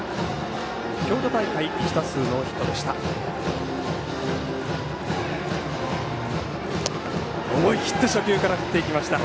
京都大会１打数ノーヒットでした。